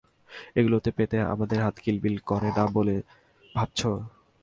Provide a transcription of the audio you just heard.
এগুলো পেতে তাদের হাত কিলবিল করবে না বলে ভাবছো?